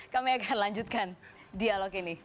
kami akan lanjutkan dialog ini